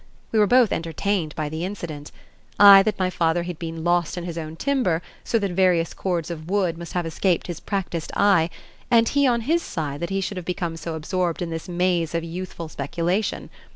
We were both entertained by the incident, I that my father had been "lost in his own timber" so that various cords of wood must have escaped his practiced eye, and he on his side that he should have become so absorbed in this maze of youthful speculation.